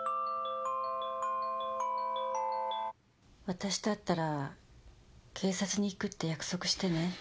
私と会ったら警察に行くって約束してね。